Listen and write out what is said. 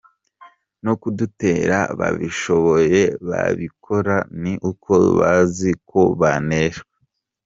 No kudutera babishoboye babikora ni uko bazi ko baneshwa.